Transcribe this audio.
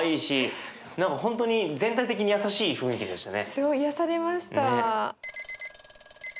すごい癒やされました。